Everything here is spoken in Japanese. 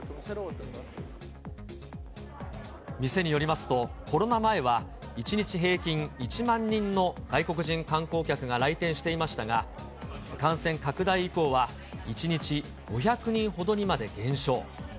店によりますと、コロナ前は、１日平均１万人の外国人観光客が来店していましたが、感染拡大以降は、１日５００人ほどにまで減少。